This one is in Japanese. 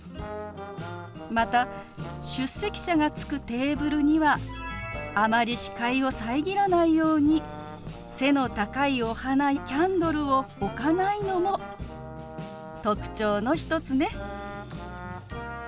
また出席者がつくテーブルにはあまり視界を遮らないように背の高いお花やキャンドルを置かないのも特徴の一つね。